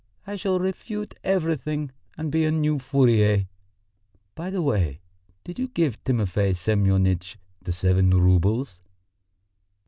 I shall refute everything and be a new Fourier. By the way, did you give Timofey Semyonitch the seven roubles?"